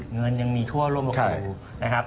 เงินยังมีทั่วร่วมลงกลัว